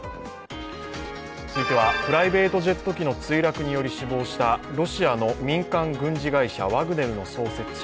続いてはプライベートジェト機の墜落により死亡したロシアの民間軍事会社ワグネルの創設者